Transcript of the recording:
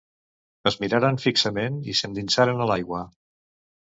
Es miraren fixament i s'endinsaren a l'aigua